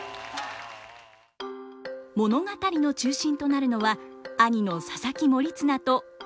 物語の中心となるのは兄の佐々木盛綱と弟の高綱。